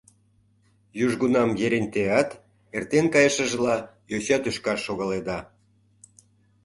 Южгунам Ерентеат, эртен кайышыжла, йоча тӱшкаш шогаледа.